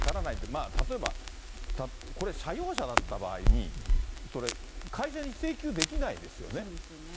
まあ例えば、これ、社用車だった場合に、それ、そうですよね。